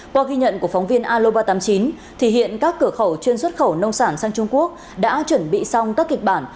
qua ghi nhận của phóng viên alo ba trăm tám mươi chín thì hiện các cửa khẩu chuyên xuất khẩu nông sản sang trung quốc đã chuẩn bị xong các kịch bản